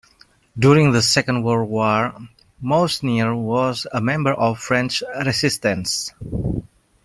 During the Second World War, Mousnier was a member of the French Resistance.